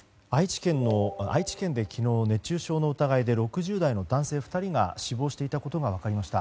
愛知県で昨日、熱中症の疑いで６０代の男性２人が死亡していたことが分かりました。